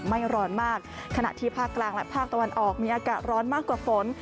ไม่ร้อนมากขณะที่ภาคกลางและภาคตะวันออกมีอากาศร้อนมากกว่าฝน